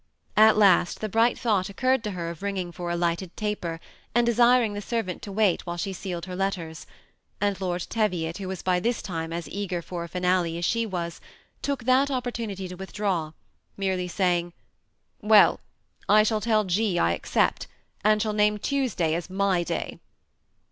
At last the bright thought occurred to her of ringing for a lighted taper, and de •iring the servant to wait while she sealed her letters ; and Lord Teviot, who was by this time as eager for a finale as she was, took that opportunity to withdraw, merely saying, "Well, I shall tell G.*I accept, and shall name Tuesday as my day.'